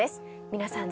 皆さん